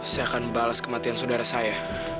saya akan balas kematian saudara saya